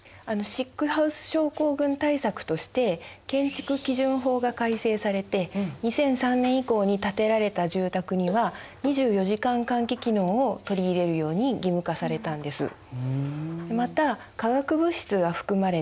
シックハウス症候群対策として建築基準法が改正されて２００３年以降に建てられた住宅には２４時間換気機能を取り入れるように義務化されたんです。